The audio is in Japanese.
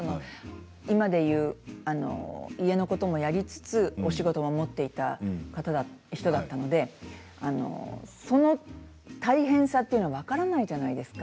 今でいう、家のこともやりつつお仕事も持っていた人だったのでその大変さというのは分からないじゃないですか。